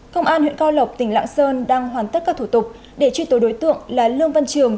công an huyện cao lộc tỉnh lạng sơn đang hoàn tất các thủ tục để truy tố đối tượng là lương văn trường